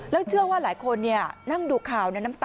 พูดได้อย่างหดอู่มาก